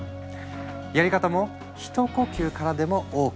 やり方も「ひと呼吸からでもＯＫ！